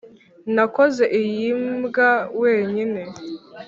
nakoze iyi mbwa wenyine.